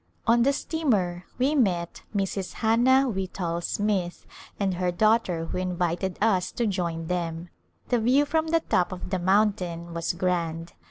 On the steamer we met Mrs. Hannah Whitall Smith and her daughter who invited us to join them. The view from the top of the mountain was grand.